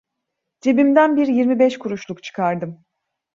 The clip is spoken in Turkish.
Cebimden bir yirmi beş kuruşluk çıkardım.